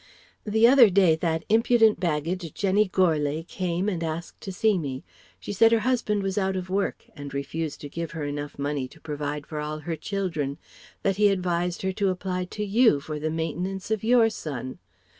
The other day that impudent baggage Jenny Gorlais came and asked to see me ... she said her husband was out of work and refused to give her enough money to provide for all her children, that he had advised her to apply to you for the maintenance of your son!